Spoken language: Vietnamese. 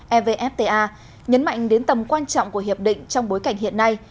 evfta nhấn mạnh đến tầm quan trọng của hiệp định trong bối cảnh hiện nay